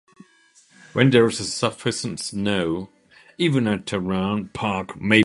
When there is sufficient snow, even a terrain park may be created.